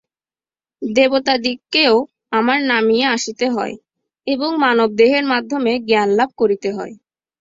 দেবতাদিগকেও আবার নামিয়া আসিতে হয় এবং মানবদেহের মাধ্যমে জ্ঞানলাভ করিতে হয়।